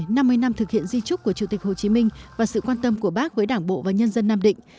năm mươi năm thực hiện di trúc của chủ tịch hồ chí minh và sự quan tâm của bác với đảng bộ và nhân dân nam định